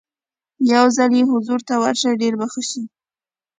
یو ځل یې حضور ته ورشئ ډېر به ښه شي.